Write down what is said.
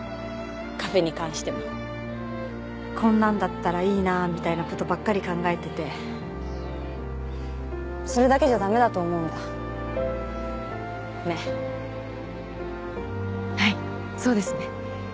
カフェに関してもこんなんだったらいいなーみたいなことばっかり考えててそれだけじゃダメだと思うんだねっはいそうですね